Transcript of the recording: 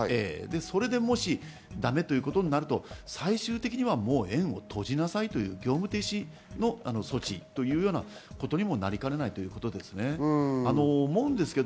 それで、もしダメということになると最終的にはもう、園を閉じなさいという業務停止の措置にもなりかねないということですね。